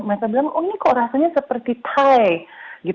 mereka bilang oh ini kok rasanya seperti thai